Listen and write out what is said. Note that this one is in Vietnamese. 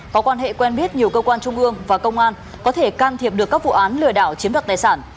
có quan hệ quen biết nhiều cơ quan trung ương và công an có thể can thiệp được các vụ án lừa đảo chiếm đoạt tài sản